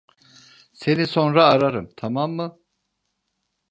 Seni sonra ararım, tamam mı?